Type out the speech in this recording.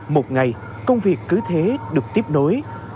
một ngày công việc cứ thế được tiếp nối